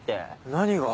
何が？